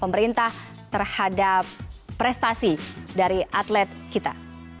pemerintah terhadap prestasi dari atlet kita